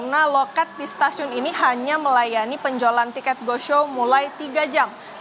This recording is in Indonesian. karena loket di stasiun ini hanya melayani penjualan tiket go show mulai tiga jam